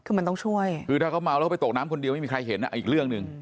คือมันต้องช่วยคือถ้าเขาเมาแล้วก็ไปตกน้ำคนเดียวไม่มีใครเห็นอีกเรื่องหนึ่ง